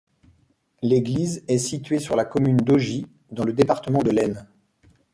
L'église est située sur la commune d'Augy, dans le département de l'Aisne.